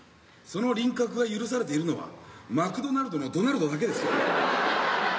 その輪郭が許されているのは「マクドナルド」のドナルドだけですよ。